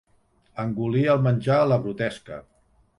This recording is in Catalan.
Engolir el menjar a la brutesca.